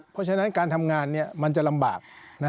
เพราะฉะนั้นการทำงานมันจะลำบาก